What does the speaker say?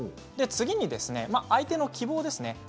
次に、相手の希望ですね。